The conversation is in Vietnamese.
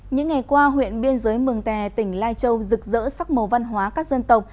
những ngày qua huyện biên giới mường tè tỉnh lai châu rực rỡ sắc màu văn hóa các dân tộc